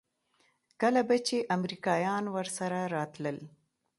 کله به چې امريکايان ورسره راتلل.